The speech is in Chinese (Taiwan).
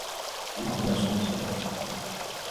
吾皇萬歲萬歲萬萬歲